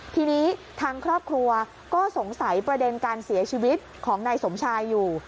ทีนี้ทางครอบครัวก็สงสัยประเด็นการเสียชีวิตของนายสมชายอยู่